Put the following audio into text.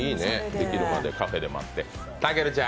できるまでカフェで待って。